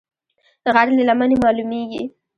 غر له لمنې مالومېږي